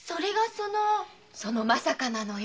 その「まさか」なのよ。